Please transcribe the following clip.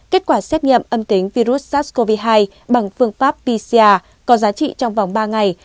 kết quả xét nghiệm âm tính virus sars cov hai bằng phương pháp pcr có giá trị trong vòng ba ngày